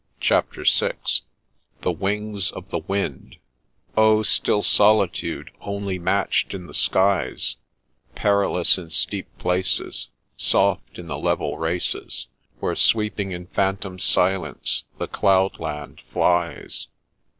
CHAPTER VI XLbc Tniin00 ot tbe TKnin^ Oh, still solitude, onlv matched in the skies ; Perilous in steep places. Soft in the level races, Where sweeping in phantom silence the cloudland flies."